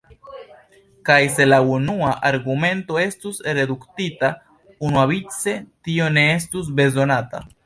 Kaj se la unua argumento estus reduktita unuavice, tio ne estus bezonata.